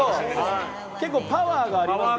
結構パワーがありますよ。